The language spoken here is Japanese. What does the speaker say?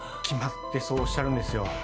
決まってそうおっしゃるんですよ